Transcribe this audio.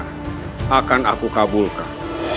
kau inginkan akan aku kabulkan